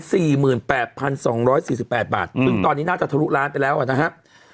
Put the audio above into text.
ซึ่งตอนนี้น่าจะทะลุล้านไปแล้วอะนะฮะ